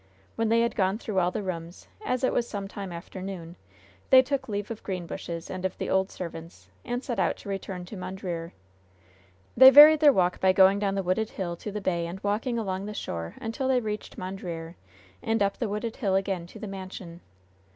When they had gone through all the rooms, as it was some time after noon, they took leave of Greenbushes and of the old servants, and set out to return to Mondreer. They varied their walk by going down the wooded hill to the bay and walking along the shore until they reached Mondreer, and up the wooded hill again to the mansion.